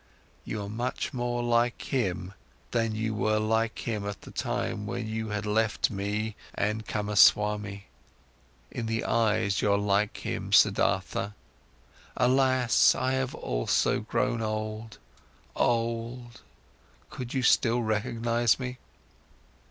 You are much more like him than you were like him at that time when you had left me and Kamaswami. In the eyes, you're like him, Siddhartha. Alas, I have also grown old, old—could you still recognise me?"